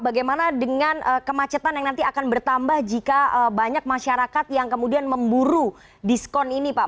bagaimana dengan kemacetan yang nanti akan bertambah jika banyak masyarakat yang kemudian memburu diskon ini pak